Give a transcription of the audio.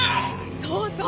そうそう！